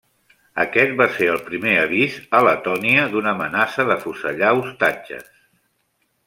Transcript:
Aquest va ser el primer avís a Letònia d'una amenaça d'afusellar ostatges.